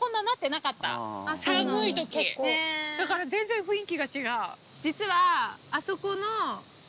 寒い時だから全然雰囲気が違う。